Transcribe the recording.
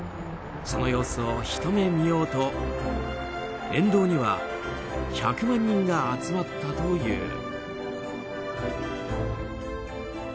その様子をひと目見ようと沿道には１００万人が集まったという。